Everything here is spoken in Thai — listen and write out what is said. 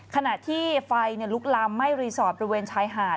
ขณะที่ไฟลุกลามไหม้รีสอร์ทบริเวณชายหาด